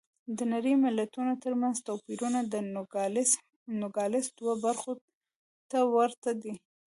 د نړۍ د ملتونو ترمنځ توپیرونه د نوګالس دوو برخو ته ورته دي.